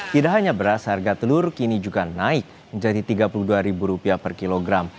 tidak hanya beras harga telur kini juga naik menjadi rp tiga puluh dua per kilogram